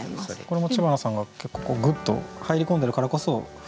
これも知花さんが結構グッと入り込んでるからこそ「降ってくる」。